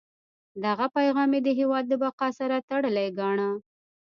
دغه پیغام یې د هیواد د بقا سره تړلی ګاڼه.